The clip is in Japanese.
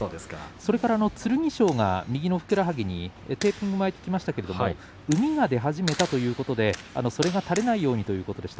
それから剣翔が右のふくらはぎにテーピングを巻いてきましたけれどもうみが出始めたということでそれが垂れないようにということでした。